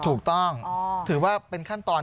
ถูกต้องถือว่าเป็นขั้นตอน